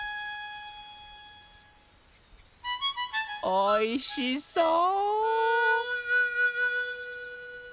おいしそう！